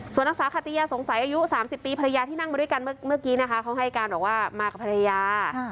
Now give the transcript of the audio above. ส่วนนางสาวขติยาสงสัยอายุ๓๐ปีภรรยาที่นั่งมาด้วยกันเมื่อกี้นะคะเขาให้การบอกว่ามากับภรรยา